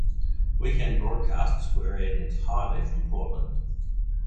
Weekend broadcasts were aired entirely from Portland.